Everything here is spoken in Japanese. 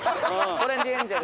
トレンディエンジェル。